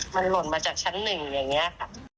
มันหล่นมาจากชั้นหนึ่งอย่างนี้ค่ะ